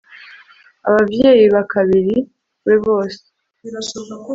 abavyeyi bakabiri be bose